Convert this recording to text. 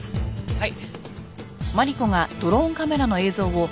はい。